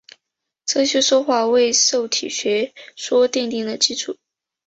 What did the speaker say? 这些说法为受体学说奠定了基础。